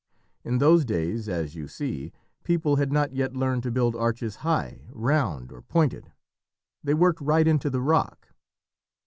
In those days, as you see, people had not yet learned to build arches high, round, or pointed. They worked right into the rock."